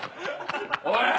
おい！